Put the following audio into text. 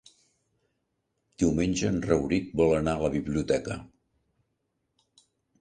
Diumenge en Rauric vol anar a la biblioteca.